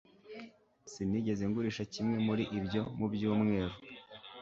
Sinigeze ngurisha kimwe muri ibyo mu byumweru